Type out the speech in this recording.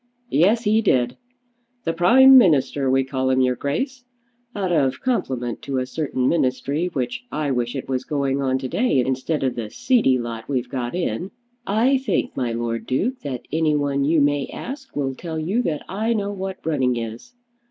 "Yes, he did. The Prime Minister, we call him, your Grace, out of compliment to a certain Ministry which I wish it was going on to day instead of the seedy lot we've got in. I think, my Lord Duke, that any one you may ask will tell you that I know what running is.